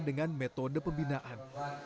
dengan metode pembinaan